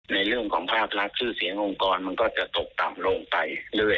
ในเรื่องของภาพรักสื่อเสียงองค์กรมันก็จะตกต่ำลงไป